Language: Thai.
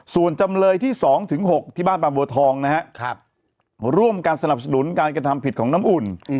ส่วนจำเลยที่๒๖ที่บ้านบางบัวทองนะฮะร่วมกันสนับสนุนการกระทำผิดของน้ำอุ่น